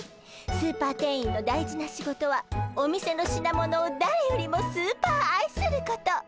スーパー店員の大事な仕事はお店の品物をだれよりもスーパーあいすること。